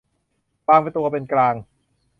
วางตัวเป็นกลาง